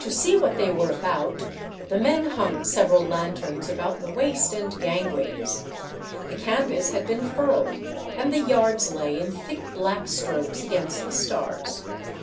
To see what they were about, the men huno' several lanthorns about the waist and 476 'the death ship. gangways. The canvas had been furled, and the yards lay in thick black strokes against the stars.